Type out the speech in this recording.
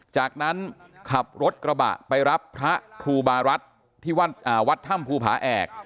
จากนั้นขับรถกระบะไปรับพระครูบารัฐที่วัดถ้ำภูผาแอก